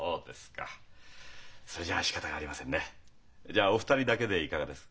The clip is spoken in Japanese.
じゃあお二人だけでいかがです？